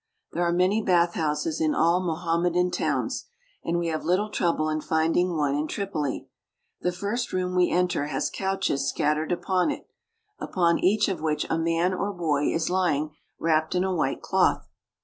There are many bathhouses in all Mohammedan towns, and we have little trouble in finding one in Tripoli. The first room we enter has couches scat tered about it, upon each of which a man or boy is lying wrapped in a white cloth.